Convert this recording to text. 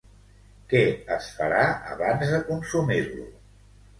Què es farà abans de consumir-lo?